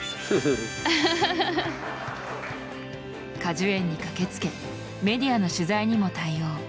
果樹園に駆けつけメディアの取材にも対応。